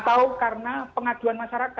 atau karena pengungkapan kasus yang dibangun